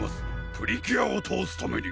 プリキュアをたおすために・